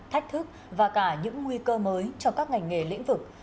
thách thức và cả những nguy cơ mới cho các ngành nghề lĩnh vực